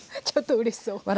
ちょっとうれしそう。